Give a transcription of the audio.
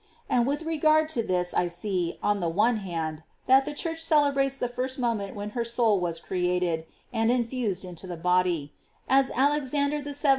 And with regard to this I see, on the one hand, that the Church celebrates the first moment when her soul was created and infused into the body, as Alexander VII.